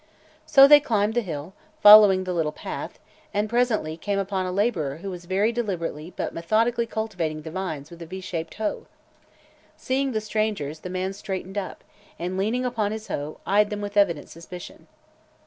So they climbed the hill, following the little path, and presently came upon a laborer who was very deliberately but methodically cultivating the vines with a V shaped hoe. Seeing the strangers the man straightened up and, leaning upon his hoe, eyed them with evident suspicion.